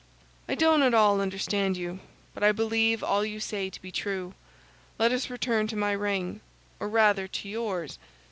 "I don't at all understand you, but I believe all you say to be true. Let us return to my ring, or rather to yours.